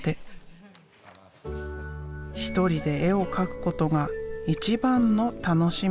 一人で絵を描くことが一番の楽しみ。